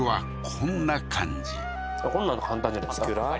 こんなん簡単じゃないですか？